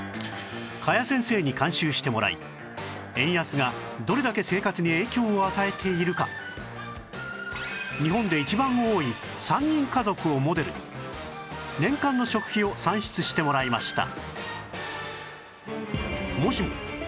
加谷先生に監修してもらい円安がどれだけ生活に影響を与えているか日本で一番多い３人家族をモデルに年間の食費を算出してもらいました